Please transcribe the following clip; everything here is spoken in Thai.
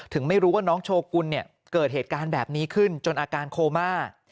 ไม่รู้ว่าน้องโชกุลเนี่ยเกิดเหตุการณ์แบบนี้ขึ้นจนอาการโคม่า